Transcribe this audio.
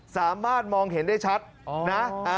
สามารถมองเห็นได้ชัดนะ